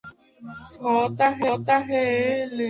Solo fue hallado un cadáver.